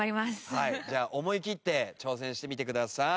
はいじゃあ思いきって挑戦してみてください。